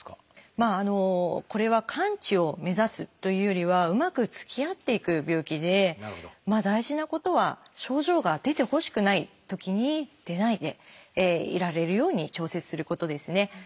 まあこれは完治を目指すというよりはうまくつきあっていく病気で大事なことは症状が出てほしくないときに出ないでいられるように調節することですね。